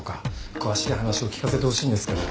詳しい話を聞かせてほしいんですけど。